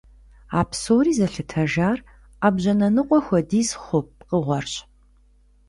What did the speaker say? А псори зэлъытэжар Ӏэбжьанэ ныкъуэ хуэдиз хъу пкъыгъуэрщ.